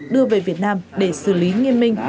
đưa về việt nam để xử lý nghiêm minh